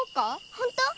ほんと？